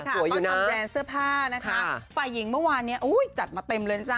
สวยอยู่นะต้องทำแบรนด์เสื้อผ้านะคะฝ่ายหญิงเมื่อวานเนี่ยอุ้ยจัดมาเต็มเลยจ้ะ